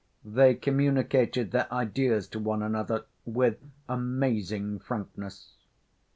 They communicated their ideas to one another with amazing frankness.